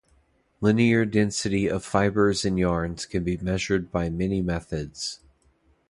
Linear density of fibers and yarns can be measured by many methods.